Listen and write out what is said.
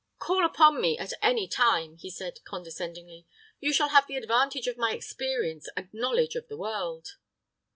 "Call upon me at any time," he said, condescendingly. "You shall have the advantage of my experience and knowledge of the world."